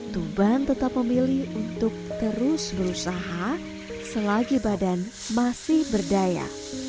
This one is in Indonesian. tuban tetap memilih untuk terus berusaha selagi badan masih berdaya